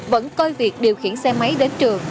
vẫn coi việc điều khiển xe máy đến trường